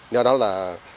do đó là